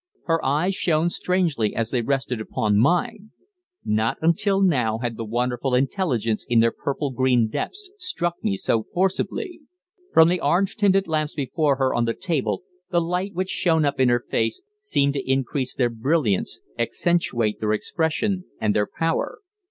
Her eyes shone strangely as they rested upon mine. Not until now had the wonderful intelligence in their purple green depths struck me so forcibly. From the orange tinted lamps before her on the table the light which shone up in her face seemed to increase their brilliance, accentuate their expression and their power.